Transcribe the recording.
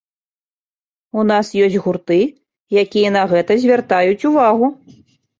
У нас ёсць гурты, якія на гэта звяртаюць увагу.